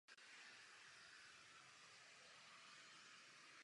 Později získal francouzské státní občanství.